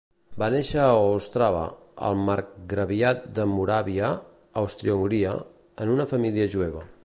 Va néixer a Ostrava, al marcgraviat de Moràvia (Àustria-Hongria), en una família jueva.